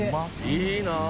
いいなぁ。